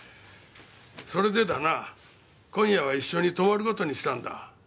それでだな今夜は一緒に泊まる事にしたんだ。